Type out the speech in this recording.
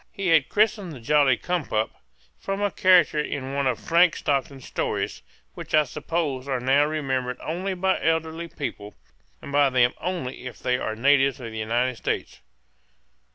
He had been christened the jolly cum pup, from a character in one of Frank Stockton's stories, which I suppose are now remembered only by elderly people, and by them only if they are natives of the United States.